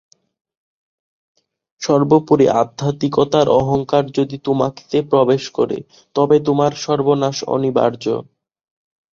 সর্বোপরি আধ্যাত্মিকতার অহঙ্কার যদি তোমাতে প্রবেশ করে, তবে তোমার সর্বনাশ অনিবার্য।